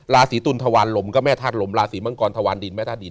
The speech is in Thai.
ราศีตุลทวารลมก็แม่ธาตุลมราศีมังกรทวารดินแม่ธาตุดิน